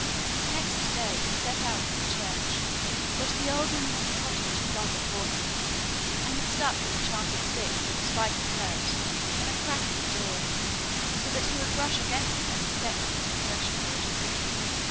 Next day he set out for the church, but the old woman of the cottage had gone before him, and had stuck an enchanted stick called 'the spike of hurt' in a crack of the door, so that he would brush against it as he stepped across the threshold.